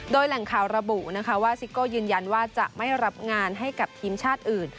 โดยแหล่งข่าวระบุนะคะว่าซิโก้ยืนยันว่าจะไม่รับงานให้กับทีมชาติอื่น